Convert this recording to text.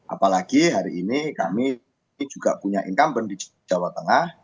apalagi hari ini kami juga punya incumbent di jawa tengah